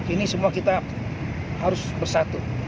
ini semua kita harus bersatu